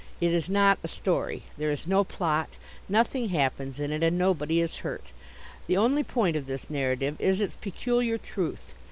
It is not a story. There is no plot. Nothing happens in it and nobody is hurt. The only point of this narrative is its peculiar truth.